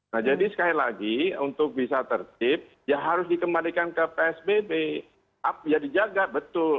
nah jadi sekali lagi untuk bisa tertib ya harus dikembalikan ke psbb ya dijaga betul